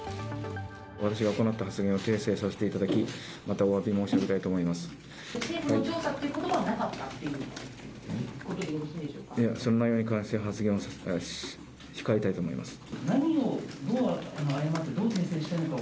私が行った発言を訂正させていただき、またおわび申し上げたいと思います。